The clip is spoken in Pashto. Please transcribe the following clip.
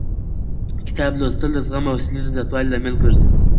کتاب لوستل د زغم او حوصلې د زیاتوالي لامل ګرځي.